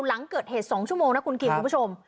หลังเกิดเหตุ๒ชั่วโมงนะคุณคิงคุณผู้ชม